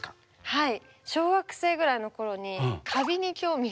はい。